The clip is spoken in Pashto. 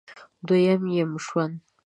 دوه یم ژوند